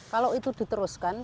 kalau itu diteruskan